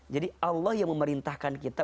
jadi allah yang memerintahkan kita